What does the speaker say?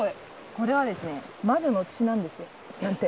これはですね魔女の血なんですよ。なんて。